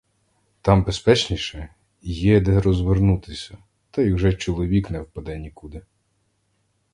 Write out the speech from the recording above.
Там безпечніше, є де розвернутися, та й уже чоловік не впаде нікуди!